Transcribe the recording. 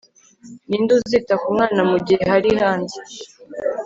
ninde uzita ku mwana mugihe bari hanze